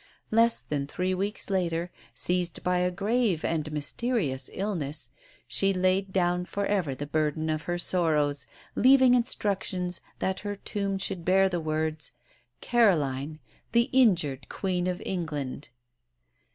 Less than three weeks later, seized by a grave and mysterious illness, she laid down for ever the burden of her sorrows, leaving instructions that her tomb should bear the words: CAROLINE THE INJURED QUEEN OF ENGLAND.